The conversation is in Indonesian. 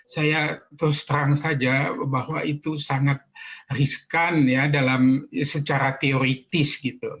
saya terus terang saja bahwa itu sangat riskan secara teoritis